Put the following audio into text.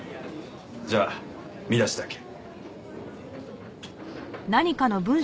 じゃあ見出しだけ。